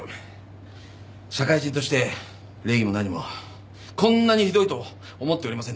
社会人として礼儀も何もこんなにひどいと思っておりませんでした。